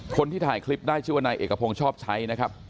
คนที่ถ่ายคลิปได้ชื่อว่านายเอกพงศ์ชอบใช้นะครับ